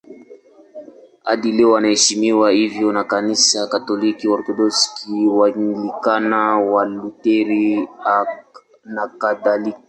Hadi leo anaheshimiwa hivyo na Kanisa Katoliki, Waorthodoksi, Waanglikana, Walutheri nakadhalika.